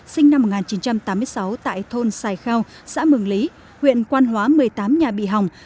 sinh năm một nghìn chín trăm tám mươi sáu tại thôn sài khao xã mường lý huyện quan hóa một mươi tám nhà bị hỏng